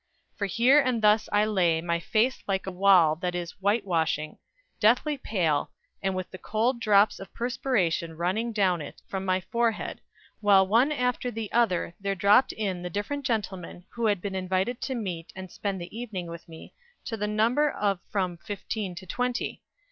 For here and thus I lay, my face like a wall that is white washing, deathly pale, and with the cold drops of perspiration running down it from my forehead, while one after another there dropped in the different gentlemen, who had been invited to meet, and spend the evening with me, to the number of from fifteen to twenty.